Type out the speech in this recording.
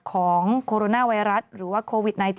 ของโคโรนาไวรัสหรือว่าโควิด๑๙